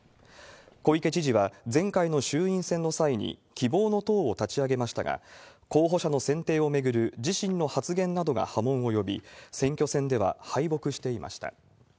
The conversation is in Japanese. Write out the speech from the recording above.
小池知事は前回の衆院選の際に希望の党を立ち上げましたが、候補者の選定を巡る自身の発言などが波紋を呼び、選挙戦では敗北していました。